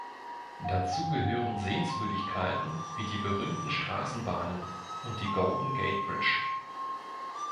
Dazu gehören Sehenswürdigkeiten wie die berühmten Straßenbahnen und die Golden Gate Bridge.